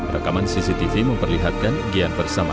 rekaman cctv memperlihatkan gian bersama